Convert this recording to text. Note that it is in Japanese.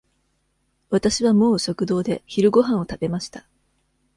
わたしはもう食堂で昼ごはんを食べました。